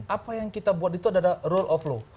apa yang kita buat itu adalah rule of law